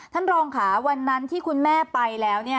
ท่านรองค่ะวันนั้นที่คุณแม่ไปแล้ว